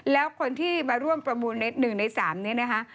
แล้วคนที่มาร่วมประมูลใน๑ใน๓นี้นะคะ